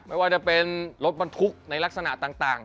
ไม่ว่าจะเป็นรถบรรทุกในลักษณะต่าง